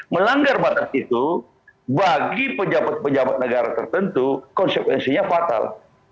melanggar batas itu bagi pejabat pejabat negara tertentu konsekuensinya fatal